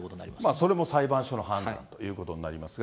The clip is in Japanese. それも裁判所の判断ということになりますが。